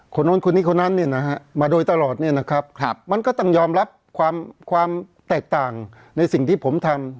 คนนู้นคนนี้คนนั้นเนี่ยนะฮะมาโดยตลอดเนี่ยนะครับมันก็ต้องยอมรับความแตกต่างในสิ่งที่ผมทำ